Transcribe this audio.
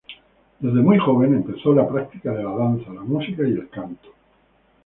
Desde muy joven empezó la práctica de la danza, la música y el canto.